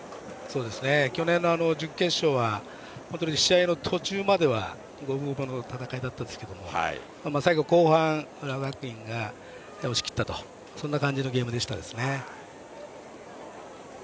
去年の準決勝は試合の途中までは五分五分の戦いだったんですけど最後、後半、浦和学院が押し切ったとそんな感じのゲームでしたね。